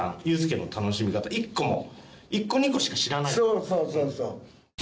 そうそうそうそう！